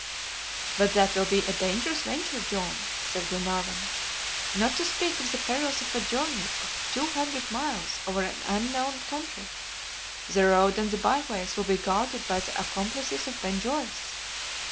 "But that will be a dangerous venture, John," said Glenarvan. "Not to speak of the perils of a journey of two hundred miles over an unknown country, the road and the by ways will be guarded by the accomplices of Ben Joyce."